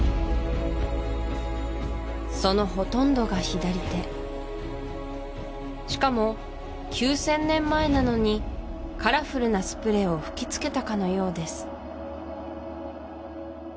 そのほとんどが左手しかも９０００年前なのにカラフルなスプレーを吹きつけたかのようです